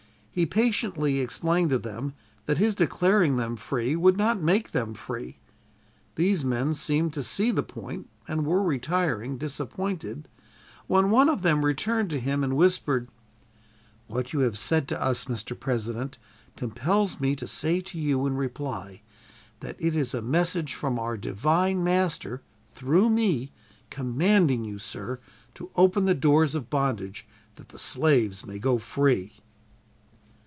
He patiently explained to them that his declaring them free would not make them free. These men seemed to see the point and were retiring, disappointed, when one of them returned to him and whispered solemnly: "What you have said to us, Mr. President, compels me to say to you in reply that it is a message from our divine Master, through me, commanding you, sir, to open the doors of bondage that the slave may go free!"